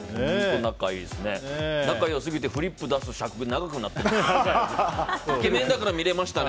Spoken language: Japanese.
仲良すぎてフリップを出す尺が長くなってましたね。